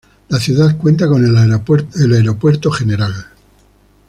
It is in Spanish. La ciudad cuenta con el Aeropuerto Gral.